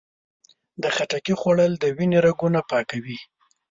د خټکي خوړل د وینې رګونه پاکوي.